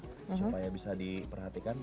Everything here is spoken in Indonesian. supaya bisa diperhatikan